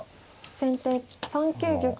先手３九玉。